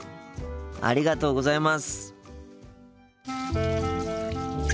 ありがとうございます。